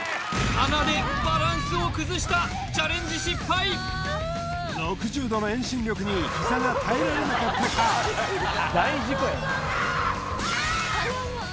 かなでバランスを崩したチャレンジ失敗６０度の遠心力に膝が耐えられなかったかああっああ！